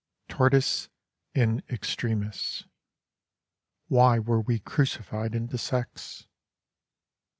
Tortoise in extremis. Why were we crucified into sex?